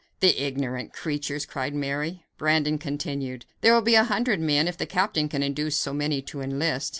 "The ignorant creatures!" cried Mary. Brandon continued: "There will be a hundred men, if the captain can induce so many to enlist."